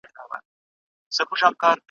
ورېښمیني څڼي دي شمال وهلې ,